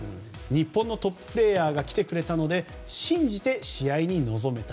日本のトッププレーヤーが来てくれたので信じて試合に臨めた。